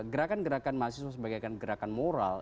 gerakan gerakan mahasiswa sebagai gerakan moral